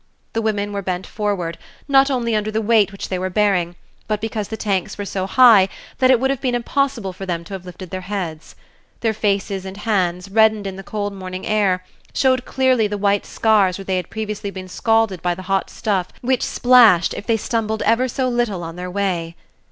The women were bent forward, not only under the weight which they were bearing, but because the tanks were so high that it would have been impossible for them to have lifted their heads. Their faces and hands, reddened in the cold morning air, showed clearly the white scars where they had previously been scalded by the hot stuff which splashed if they stumbled ever so little on their way.